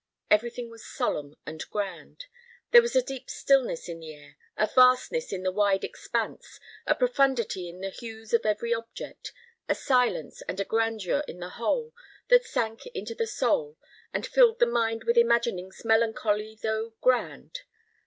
Everything was solemn and grand. There was a deep stillness in the air, a vastness in the wide expanse, a profundity in the hues of every object, a silence and a grandeur in the whole, that sank into the soul, and filled the mind with imaginings melancholy though grand.